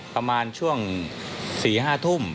ประมาณช่วง๔๕ทุ่ม